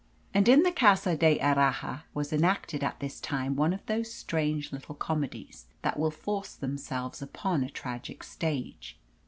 And in the Casa d'Erraha was enacted at this time one of those strange little comedies that will force themselves upon a tragic stage.